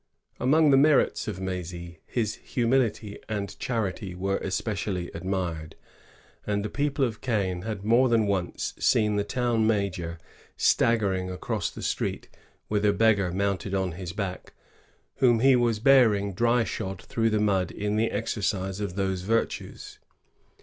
^ Among the merits of Mdzj, his humility and charity were especially admired; and the people of Caen had more than once seen the town major stag gering across the street with a beggar mounted on his back, whom he was bearing dry shod through the mud in the exercise of those virtues.'